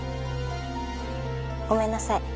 ごめんなさい。